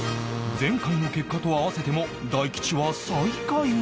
前回の結果と合わせても大吉は最下位に